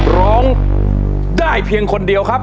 ร้องได้เพียงคนเดียวครับ